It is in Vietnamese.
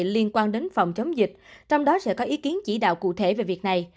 liên quan đến phòng chống dịch trong đó sẽ có ý kiến chỉ đạo cụ thể về việc này